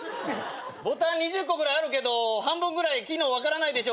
「ボタン２０個ぐらいあるけど半分ぐらい機能分からないでしょ